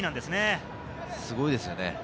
すごいですよね。